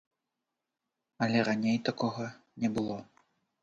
Але раней такога не было.